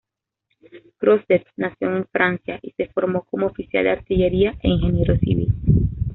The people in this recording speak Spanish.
Crozet nació en Francia y se formó como oficial de artillería e ingeniero civil.